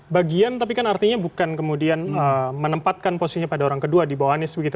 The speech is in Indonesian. bagian tapi kan artinya bukan kemudian menempatkan posisinya pada orang kedua di bawah anies begitu